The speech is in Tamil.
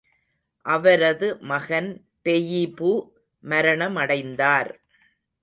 அவரது மகன் பெயிபு மரணமடைந்தார்!